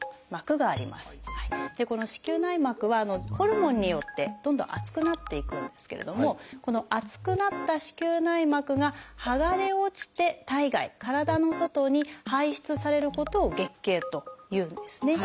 この子宮内膜はホルモンによってどんどん厚くなっていくんですけれどもこの厚くなった子宮内膜が剥がれ落ちて体外体の外に排出されることを「月経」というんですね。